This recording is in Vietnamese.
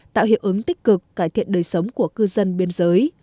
tạo hiệu ứng tích cực cải thiện đời sống của cư dân biên giới